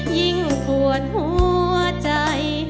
ยิ่งปวดหัวใจ